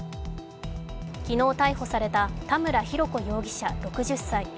昨日逮捕された田村浩子容疑者６０歳。